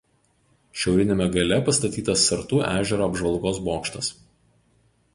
Šiauriniame gale pastatytas Sartų ežero apžvalgos bokštas.